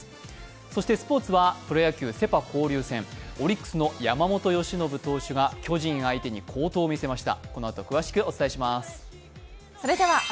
そしてスポーツはプロ野球セ・パ交流戦、オリックスの山本由伸投手が巨人相手に好投を見せました。